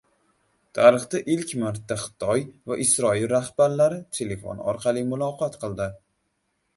Tarixda ilk marta Xitoy va Isroil rahbarlari telefon orqali muloqot qildi